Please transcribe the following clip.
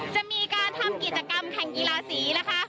จะมีการทำกิจกรรมแข่งกีฬาสีนะคะ